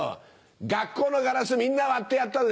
学校のガラスみんな割ってやったぜ。